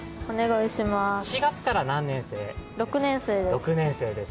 ６年生です。